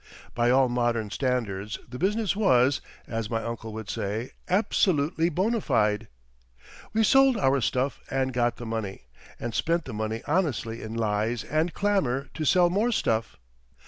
By all modern standards the business was, as my uncle would say, "absolutely bonâ fide." We sold our stuff and got the money, and spent the money honestly in lies and clamour to sell more stuff.